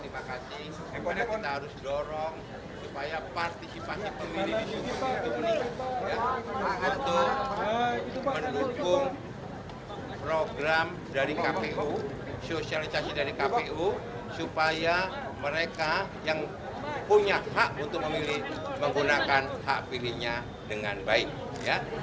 menutup program dari kpu sosialisasi dari kpu supaya mereka yang punya hak untuk memilih menggunakan hak pilihnya dengan baik ya